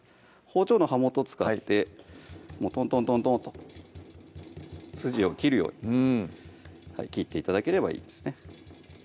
包丁の刃元使ってトントントントンと筋を切るように切って頂ければいいですね